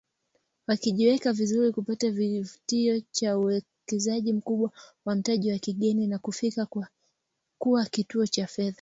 Wakijiweka vizuri kupata kivutio cha uwekezaji mkubwa wa mtaji wa kigeni, na kufikia kuwa kituo cha fedha.